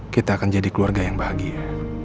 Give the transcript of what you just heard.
kita akan jadi keluarga yang bahagia